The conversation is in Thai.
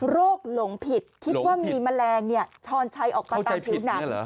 โรคหลงผิดคิดว่ามีแมลงช่อนใช้ออกไปตามผิวหนัง